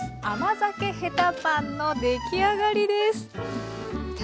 甘酒へたパンの出来上がりです。